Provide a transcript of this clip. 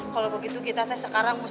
kalau begitu kita tes sekarang